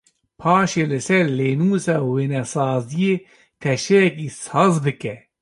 Paşê li ser lênûsa wênesaziyê teşeyekî saz bike.